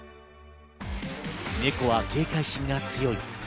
ネコは警戒心が強い。